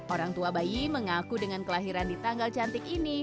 orang tua bayi mengaku dengan kelahiran di tanggal cantik ini